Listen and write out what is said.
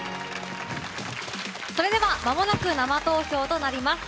それではまもなく生投票となります。